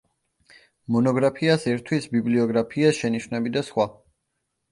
მონოგრაფიას ერთვის ბიბლიოგრაფია, შენიშვნები და სხვა.